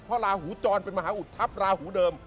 เพราะลาหูจรเป็นมหาอุทธัพราหูเดิม